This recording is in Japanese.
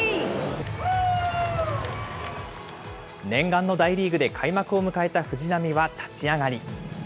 念願の大リーグで開幕を迎えた藤浪は立ち上がり。